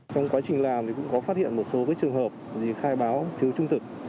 trong quá trình làm thì cũng có phát hiện một số trường hợp gì khai báo thiếu trung thực